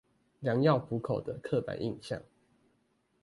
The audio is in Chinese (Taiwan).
良藥苦口的刻板印象